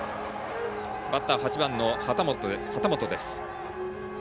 バッター、８番の畑本です。